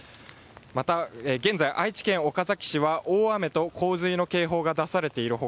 また、現在、愛知県岡崎市は大雨と洪水の警報が出されている他